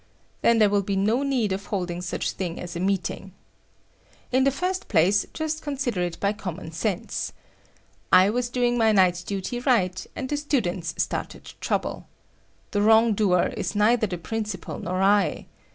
Then there will be no need of holding such thing as a meeting. In the first place, just consider it by common sense. I was doing my night duty right, and the students started trouble. The wrong doer is neither the principal nor I.